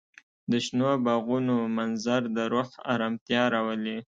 د شنو باغونو منظر د روح ارامتیا راولي.